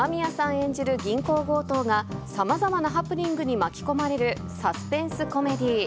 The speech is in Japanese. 演じる銀行強盗が、さまざまなハプニングに巻き込まれるサスペンスコメディー。